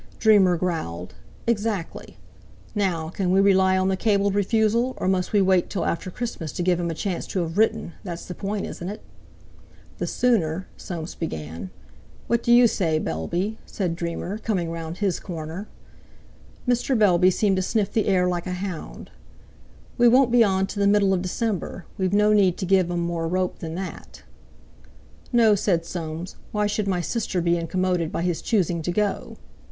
Dreamer growled. "Exactly. Now, can we rely on the cabled refusal, or must we wait till after Christmas to give him a chance to have written—that's the point, isn't it?" "The sooner...." Soames began. "What do you say, Bellby?" said Dreamer, coming round his corner. Mr. Bellby seemed to sniff the air like a hound. "We won't be on till the middle of December. We've no need to give um more rope than that." "No," said Soames, "why should my sister be incommoded by his choosing to go..."